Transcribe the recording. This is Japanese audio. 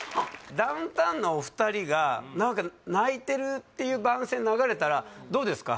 ダウンタウンのお二人が泣いてるっていう番宣流れたらどうですか？